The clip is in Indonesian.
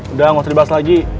udah gak usah dibahas lagi